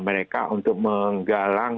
mereka untuk menggalang